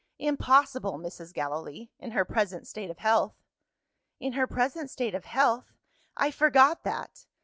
"Impossible, Mrs. Gallilee in her present state of health." "In her present state of health? I forgot that.